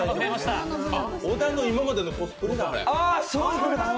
小田の今までのコスプレ。